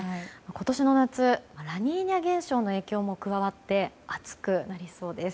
今年の夏、ラニーニャ現象の影響も加わって暑くなりそうです。